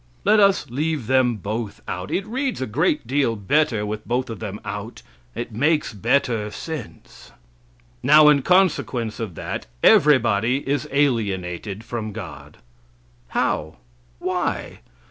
Let us leave them both out; it reads a great deal better with both of them out; it makes better sense. Now, in consequence of that, everybody is alienated from God. How? Why?